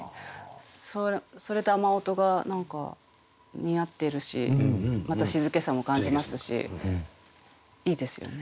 それと「雨音」が何か似合ってるしまた静けさも感じますしいいですよね。